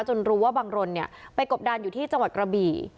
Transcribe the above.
รู้ว่าบังรนไปกบดานอยู่ที่จังหวัดกระบี่